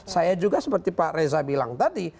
saya juga seperti pak reza bilang tadi